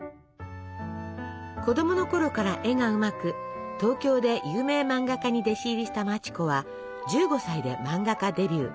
子供のころから絵がうまく東京で有名漫画家に弟子入りした町子は１５歳で漫画家デビュー。